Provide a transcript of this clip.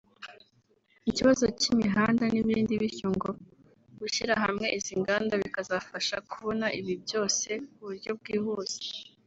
ikibazo cy’imihanda n’ibindi ; bityo ngo gushyira hamwe izi nganda bikazafasha kubona ibi byose ku buryo bwihuse